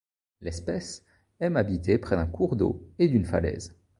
L'espèce aime habiter près d'un cours d'eau et d'une falaise.